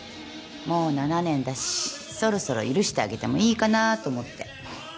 もう７年だしそろそろ許してあげてもいいかなと思って。